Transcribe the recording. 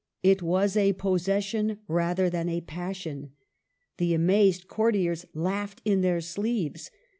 It was a possession rather than a passion. The amazed courtiers laughed in their sleeves.